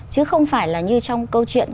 chứ không phải là như trong câu chuyện